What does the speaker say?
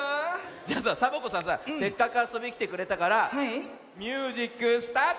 じゃあさサボ子さんさせっかくあそびにきてくれたからミュージックスタート！